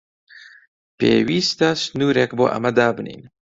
پێویستە سنوورێک بۆ ئەمە دابنێین.